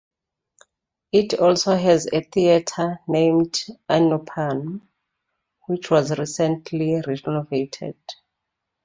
It also has a theater named Anupam which was recently renovated.